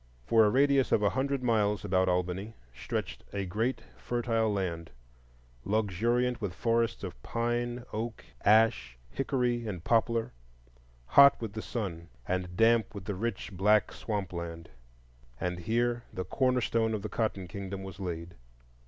For a radius of a hundred miles about Albany, stretched a great fertile land, luxuriant with forests of pine, oak, ash, hickory, and poplar; hot with the sun and damp with the rich black swamp land; and here the corner stone of the Cotton Kingdom was laid.